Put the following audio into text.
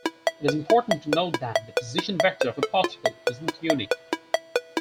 It is important to note that the position vector of a particle isn't unique.